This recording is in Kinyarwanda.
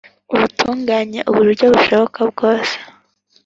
urutunganye uburyo bushoboka bwose